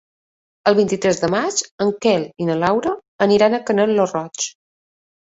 El vint-i-tres de maig en Quel i na Laura aniran a Canet lo Roig.